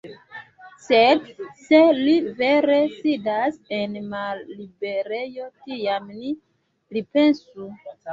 Sed se li vere sidas en malliberejo, tiam ni pripensu.